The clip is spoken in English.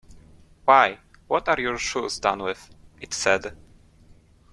‘Why, what are your shoes done with?’ it said.